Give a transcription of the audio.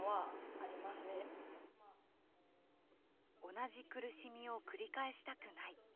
同じ苦しみを繰り返したくない。